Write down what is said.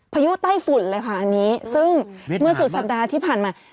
พายุใต้ฝุ่นเลยค่ะอันนี้ซึ่งเมื่อสุดสัปดาห์ที่ผ่านมา